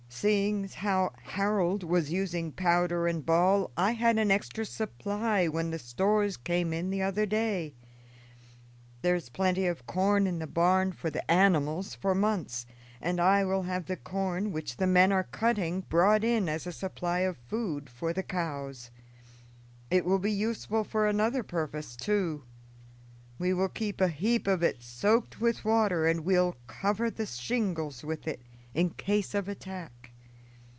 Seeing how Harold was using powder and ball, I had an extra supply when the stores came in the other day. There is plenty of corn in the barn for the animals for months, and I will have the corn which the men are cutting brought in as a supply of food for the cows. It will be useful for another purpose, too; we will keep a heap of it soaked with water and will cover the shingles with it in case of attack.